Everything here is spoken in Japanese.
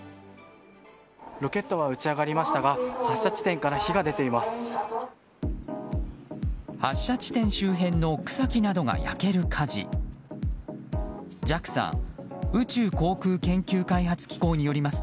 ロケットは打ち上がりましたが発射地点から火が出ています。